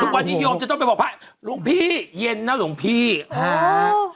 ทุกวันนี้โยมจะต้องไปบอกพระหลวงพี่เย็นนะหลวงพี่ฮะ